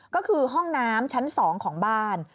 ก็คือห้องน้ำชั้น๒ของบ้าน